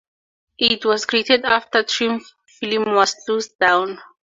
It was created after Triumph Films was closed down.